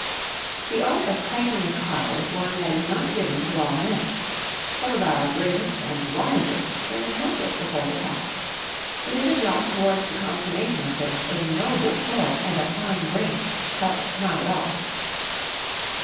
The art of cranking a car is one that is not given to all men. Some of our greatest and wisest stand helpless before the task. It is a job towards the consummation of which a noble soul and a fine brain help not at all.